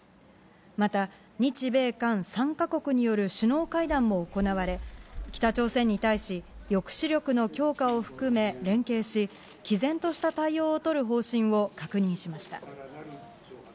また、日米韓３か国による首脳会談も行われ、北朝鮮に対し、抑止力の強化を含め連携し、きぜんとした対応を取る方針を確認しました。